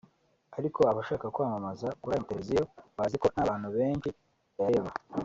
Ariko abashaka kwamamaza kuri ayo mateleviziyo bazi ko nta bantu benshi bayareba